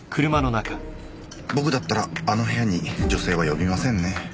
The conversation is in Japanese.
僕だったらあの部屋に女性は呼びませんね。